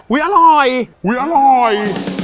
อุ้ยอร่อยอุ้ยอร่อย